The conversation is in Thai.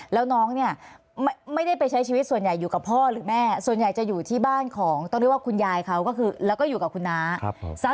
แล้วน้องเนี่ยไม่ได้ไปใช้ชีวิตส่วนใหญ่อยู่กับพ่อหรือแม่ส่วนใหญ่จะอยู่ที่บ้านของต้องเรียกว่าคุณยายเขาก็คือแล้วก็อยู่กับคุณน้า